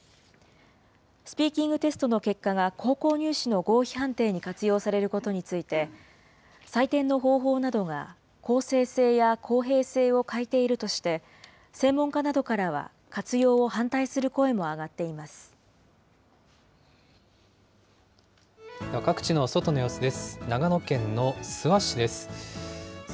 スピーキングテストの結果が高校入試の合否判定に活用されることについて、採点の方法などが公正性や公平性を欠いているとして、専門家などからは活用を反対する声も上がっています。